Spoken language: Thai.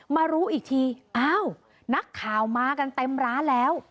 มารู้อีกทีอ้าวนักข่าวมากันเต็มร้านแล้ว